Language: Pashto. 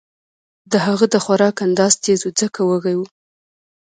د هغه د خوراک انداز تېز و ځکه وږی و